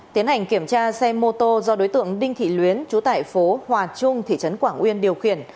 tiến hành kiểm tra xe mô tô do đối tượng đinh thị luyến trú tại phố hòa trung thị trấn quảng uyên điều khiển